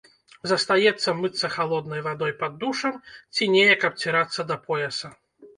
Застаецца мыцца халоднай вадой пад душам ці неяк абцірацца да пояса.